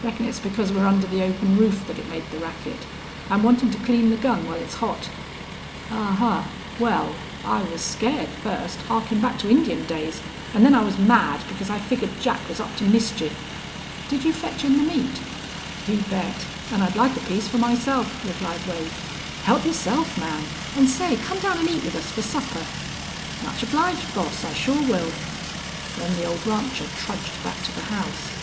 Reckon it's because we're under the open roof that it made the racket. I'm wantin' to clean the gun while it's hot." "Ahuh! Wal, I was scared fust, harkin' back to Indian days, an' then I was mad because I figgered Jack was up to mischief.... Did you fetch in the meat?" "You bet. An' I'd like a piece for myself," replied Wade. "Help yourself, man. An' say, come down an' eat with us fer supper." "Much obliged, boss. I sure will." Then the old rancher trudged back to the house.